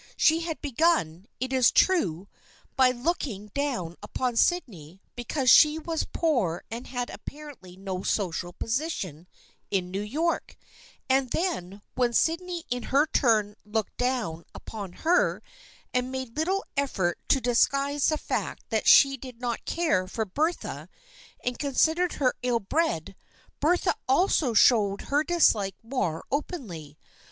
She had begun, it is true, by looking ^229 230 THE FRIENDSHIP OF AXXE down upon Sydney because she was poor and had apparently no social position in New York, and then when Sydney in her turn " looked down " upon her and made little effort to disguise the fact that she did not care for Bertha and considered her ill bred, Bertha also showed her dislike more openly.